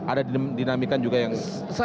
ada dinamikan juga yang